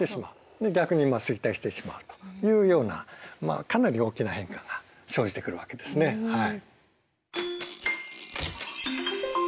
で逆に衰退してしまうというようなまあかなり大きな変化が生じてくるわけですねはい。